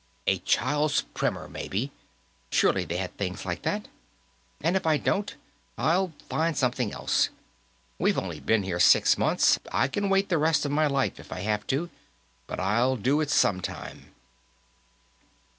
A child's primer, maybe; surely they had things like that. And if I don't. I'll find something else. We've only been here six months. I can wait the rest of my life, if I have to, but I'll do it sometime."